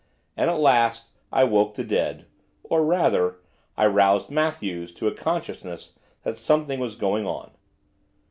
And, at last, I woke the dead, or, rather, I roused Matthews to a consciousness that something was going on.